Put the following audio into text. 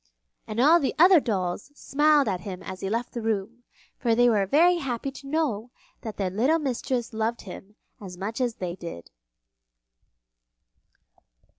And all the other dolls smiled at him as he left the room, for they were very happy to know that their little mistress loved him as much as they did.